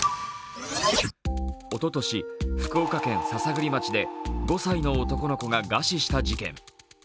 おととし、福岡県篠栗町で５歳の男の子が餓死した事件。